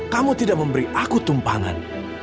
kamu tidak memberi aku tumpangan